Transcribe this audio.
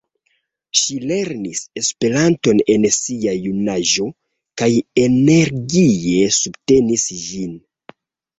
Ŝi lernis Esperanton en sia junaĝo kaj energie subtenis ĝin.